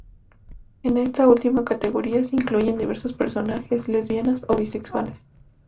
En esta última categoría se incluyen diversos personajes lesbianas o bisexuales.